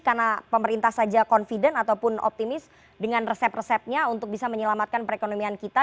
karena pemerintah saja confident ataupun optimis dengan resep resepnya untuk bisa menyelamatkan perekonomian kita